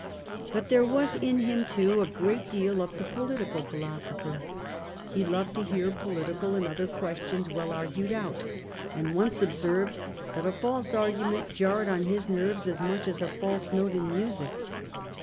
But there was in him too a great deal of the political philosopher. He loved to hear political and other questions well argued out, and once observed that a false argument jarred on his nerves as much as a false note in music.